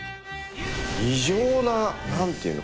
異常な何ていうの？